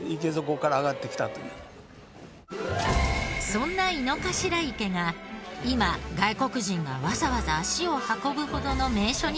そんな井の頭池が今外国人がわざわざ足を運ぶほどの名所になった裏には。